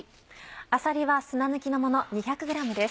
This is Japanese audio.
あさりは砂抜きのもの２００ｇです。